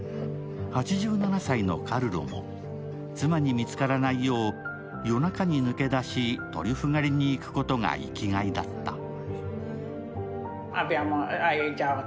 ８７歳のカルロも、妻に見つからないよう夜中に抜け出し、トリュフ狩りに行くことが生きがいだった。